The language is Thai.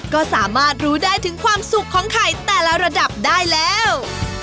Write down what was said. ก็สามารถรู้ได้ถึงความสุขของไข่แต่ละระดับได้แล้ว